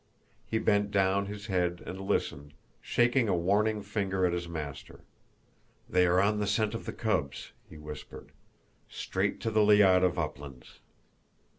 He bent down his head and listened, shaking a warning finger at his master. "They are on the scent of the cubs..." he whispered, "straight to the Lyádov uplands."